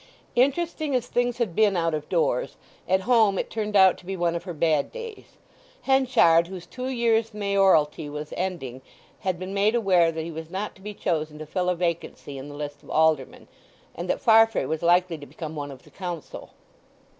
Interesting as things had been out of doors, at home it turned out to be one of her bad days. Henchard, whose two years' mayoralty was ending, had been made aware that he was not to be chosen to fill a vacancy in the list of aldermen; and that Farfrae was likely to become one of the Council.